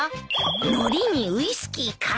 のりにウイスキーか。